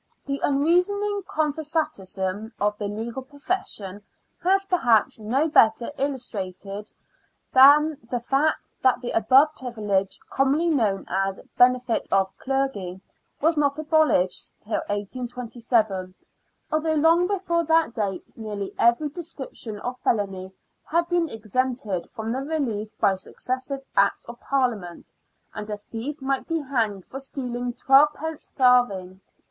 The imreasoning conservatism of the legal profession has. €4 SIXTEENTH CENTURY BRISTOL. perhaps, no better illustration than the fact that the above privilege, commonly known as " benefit of clergy," was not abolished until 1827, although long before that date nearly every description of felony had been exempted from the relief by successive Acts of Parliament, and a thief might be hanged for stealing twelvepence farthing.